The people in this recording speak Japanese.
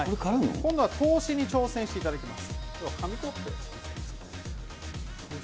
今度は投資に挑戦していただきます。